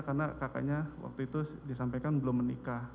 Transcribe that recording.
karena kakaknya waktu itu disampaikan belum menikah